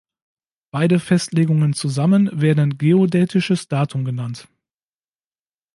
Beide Festlegungen zusammen werden „geodätisches Datum“ genannt.